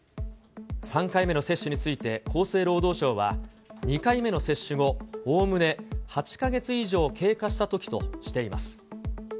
３回目の接種について厚生労働省は、２回目の接種後おおむね８か月以上経過したときとしています。